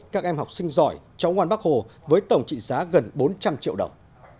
các em học sinh giỏi cháu ngoan bắc hồ với tổng trị giá gần bốn trăm linh triệu đồng